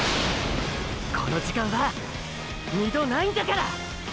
この時間は二度ないんだから！！